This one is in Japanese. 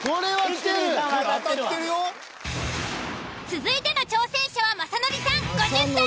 続いての挑戦者は雅紀さん５０歳。